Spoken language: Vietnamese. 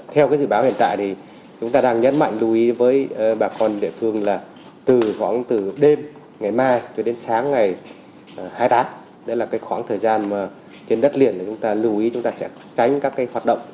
tôi nhắc lại là từ đêm ngày mai cho đến sáng ngày hai mươi tám